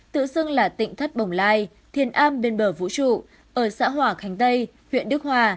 tự dưng là tỉnh thất bồng lai thiên am bên bờ vũ trụ ở xã hỏa khánh tây huyện đức hòa